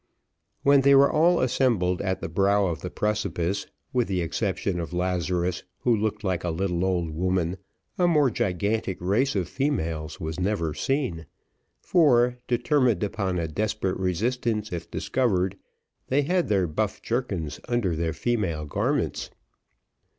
When they were all assembled at the brow of the precipice, with the exception of Lazarus, who looked like a little old woman, a more gigantic race of females was never seen; for, determined upon a desperate resistance if discovered, they had their buff jerkins under their female garments.